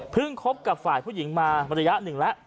เพิ่งคบกับฝ่าผู้หญิงมาในระยะหนึ่งแล้ว